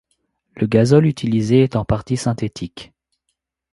Le gazole utilisé est en partie synthétique.